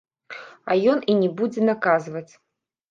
А ён і не будзе наказваць.